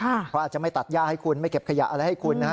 เขาอาจจะไม่ตัดย่าให้คุณไม่เก็บขยะอะไรให้คุณนะฮะ